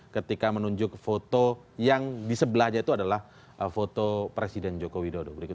ketika menunjuk foto yang di sebelahnya itu adalah foto presiden joko widodo berikut